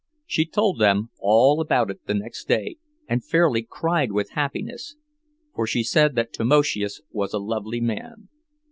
She told them all about it the next day, and fairly cried with happiness, for she said that Tamoszius was a lovely man.